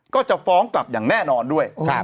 ก็จะฟ้องกลับอย่างแน่นอนด้วย